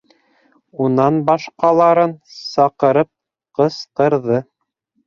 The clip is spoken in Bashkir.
Унан башҡаларын саҡырып ҡысҡырҙы.